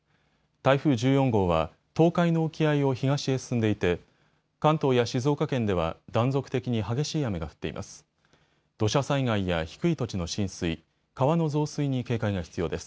台風１４号は東海の沖合を東へ進んでいて関東や静岡県では断続的に激しい雨が降っています。